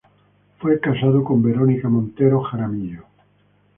Fue casado con Verónica Montero Jaramillo.